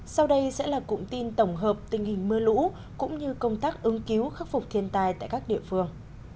sau đây sẽ là cụm tin tổng hợp tình hình mưa lũ cũng như công tác ứng cứu khắc phục thiên tài tại các địa phương